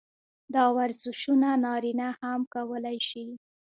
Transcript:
دا ورزشونه نارينه هم کولے شي -